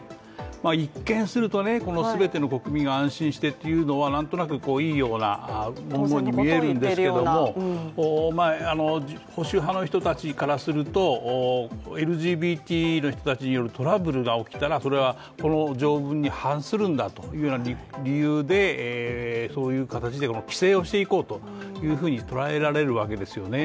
一見すると、全ての国民が安心してというのは何となくいいような文言に見えるんですけれども、保守派の人たちからすると、ＬＧＢＴの人たちによるトラブルが起きたらそれは、この条文に反するんだというような理由でそういう形で規制をしていこうと捉えられるんですよね。